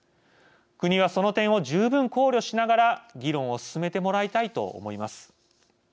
国はその点を十分考慮しながら議論を進めてもらいたいと思います。